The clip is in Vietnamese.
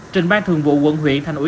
trình ban thường vụ quận huyện thành ủy